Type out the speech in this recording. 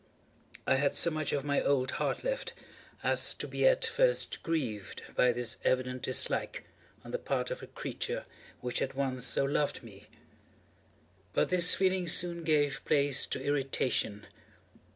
I had so much of my old heart left, as to be at first grieved by this evident dislike on the part of a creature which had once so loved me. But this feeling soon gave place to irritation.